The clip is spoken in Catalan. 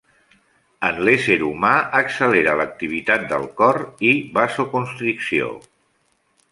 En l'ésser humà accelera l'activitat del cor i vasoconstricció.